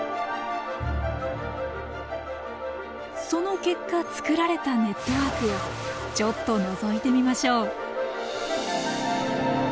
その結果作られたネットワークをちょっとのぞいてみましょう。